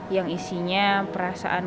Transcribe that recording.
yang isinya perasaan